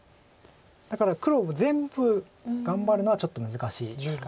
だから黒も全部頑張るのはちょっと難しいですか。